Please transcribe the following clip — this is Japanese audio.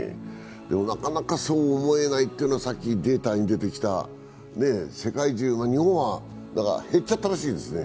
でも、なかなかそう思えないっていうのは、さっきデータに出てきた世界中、日本は減っちゃったらしいですね。